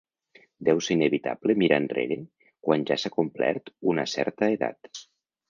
Deu ser inevitable mirar enrere quan ja s’ha complert una certa edat.